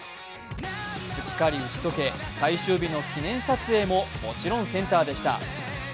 すっかり打ち解け、最終日の記念撮影ももちろんセンターでした。